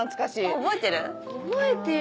覚えてる？